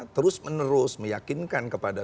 terus menerus meyakinkan kepada